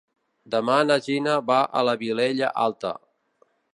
Demà na Gina va a la Vilella Alta.